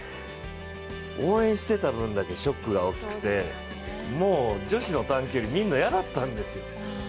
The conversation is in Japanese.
応援してた分だけショックが大きくてもう、女子の短距離見るの嫌だったんです。